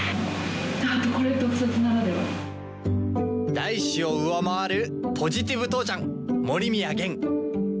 大志を上回るポジティブ父ちゃん森宮源。